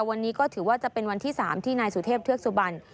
วันนี้ก็ถือว่าจะเป็นวันที่๓ที่นายสุเทพเทือกสุบัน